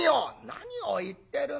「何を言ってるんだ。